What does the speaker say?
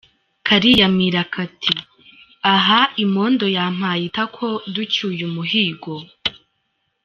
Kariyamirira kati: “Aha imondo yampaye itako ducyuye umuhigo!